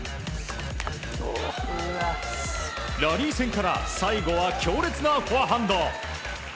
ラリー戦から最後は強烈なフォアハンド。